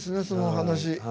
その話。